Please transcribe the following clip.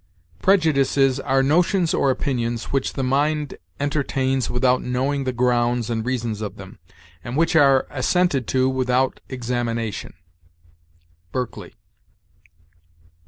"'Prejudices are notions or opinions which the mind entertains without knowing the grounds and reasons of them, and which are assented to without examination.' Berkeley.